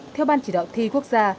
theo ban chỉ đạo thi quốc gia